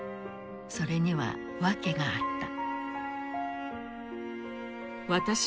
それには訳があった。